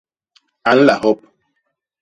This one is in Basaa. A nla hop.